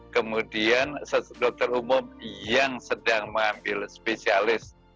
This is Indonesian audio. kemudian dokter umum yang sedang mengambil spesialis